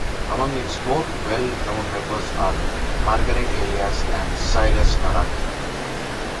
Among its more well known members are Margaret Elias and Sirus Naraqi.